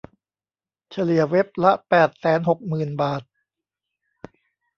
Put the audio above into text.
เฉลี่ยเว็บละแปดแสนหกหมื่นบาท